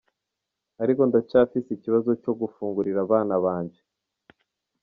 Ariko ndacafise ikibazo co gufungurira abana banje.